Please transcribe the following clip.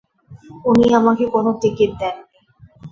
উনি আমাকে কোন টিকিট দেননি।